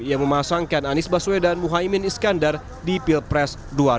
yang memasangkan anies baswedan muhaimin iskandar di pilpres dua ribu dua puluh empat